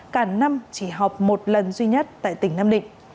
cả năm chỉ họp một lần duy nhất tại tỉnh nam định